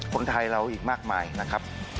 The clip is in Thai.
คนไทยเราอีกมากมายนะครับ